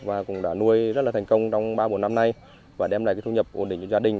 và cũng đã nuôi rất là thành công trong ba bốn năm nay và đem lại cái thu nhập ổn định cho gia đình